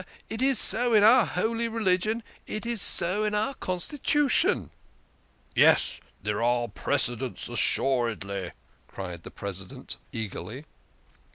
" It is so in our holy religion, it is so in our constitution." " Yes, there are precedents assuredly," cried the Presi dent eagerly.